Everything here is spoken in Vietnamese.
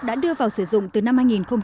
đã đưa vào sử dụng từ năm hai nghìn một mươi